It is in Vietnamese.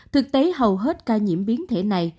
thực tế hầu hết ca nhiễm biến thể này